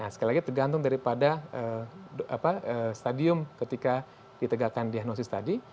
sekali lagi tergantung daripada stadium ketika ditegakkan diagnosis tadi